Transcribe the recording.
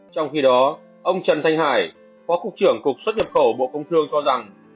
trong khi đó ông trần thanh hải phó cục trưởng cục xuất nhập khẩu bộ công thương cho rằng